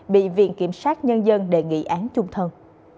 bị viện kiểm sát nhân dân đề nghị án chung thân